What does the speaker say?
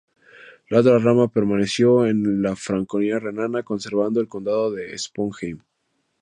La otra rama permaneció en la Franconia Renana, conservando el Condado de Sponheim.